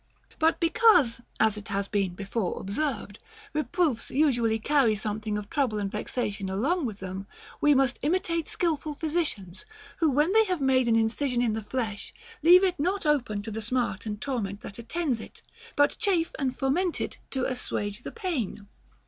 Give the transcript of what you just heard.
37. But because, as it has been before observed, reproofs usually carry something of trouble and vexation along with them, we must imitate skilful physicians, who, when they have made an incision in the flesh, leave it not open to the smart and torment that attends it, but chafe and foment it to assuage the pain.